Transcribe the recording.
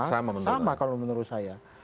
sama sama menurut saya